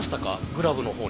グラブのほうに。